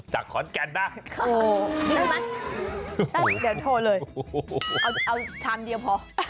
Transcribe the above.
จากขอนแก่นได้ไหมเดี๋ยวโทรเลยเอาชามเดียวพอ